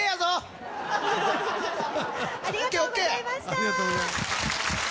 弘中：ありがとうございました。